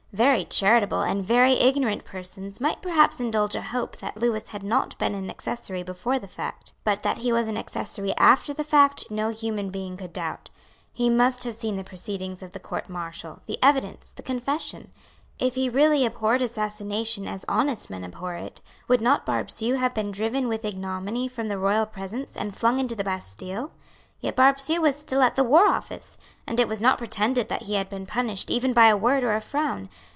Very charitable and very ignorant persons might perhaps indulge a hope that Lewis had not been an accessory before the fact. But that he was an accessory after the fact no human being could doubt. He must have seen the proceedings of the Court Martial, the evidence, the confession. If he really abhorred assassination as honest men abhor it, would not Barbesieux have been driven with ignominy from the royal presence, and flung into the Bastile? Yet Barbesieux was still at the War Office; and it was not pretended that he had been punished even by a word or a frown.